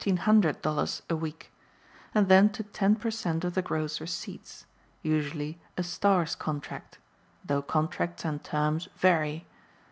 00 a week, and then to ten percent of the gross receipts, usually a star's contract, though contracts and terms vary.